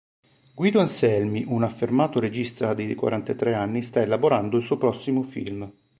Guido Anselmi, un affermato regista di quarantatré anni, sta elaborando il suo prossimo film.